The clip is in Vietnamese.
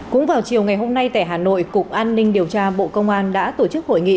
cũng vào chiều ngày hôm nay tại hà nội cục an ninh điều tra bộ công an đã tổ chức hội nghị